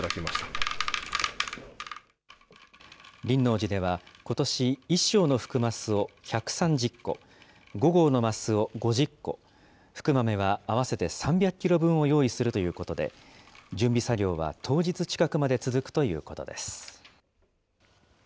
輪王寺ではことし、１升の福升を１３０個、５合の升を５０個、福豆は合わせて３００キロ分を用意するということで、準備作業は当日近くまで続くということです。